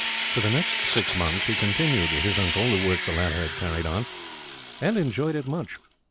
For the next six months he continued, with his uncle, the work the latter had carried on; and enjoyed it much.